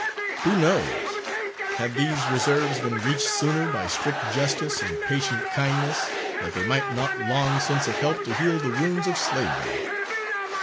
Who knows, had these reserves been reached sooner by strict justice and patient kindness, that they might not long since have helped to heal the wounds of slavery?